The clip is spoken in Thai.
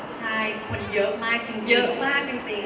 ใช่คนเยอะมากจริง